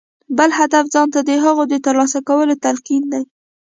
بل هدف ځان ته د هغو د ترلاسه کولو تلقين دی.